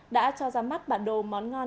đã cho ra mắt bản đồ món ngon